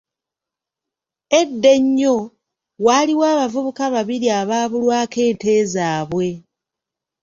Edda ennyo, waaliwo abavubuka babiri abaabulwako ente zaabwe.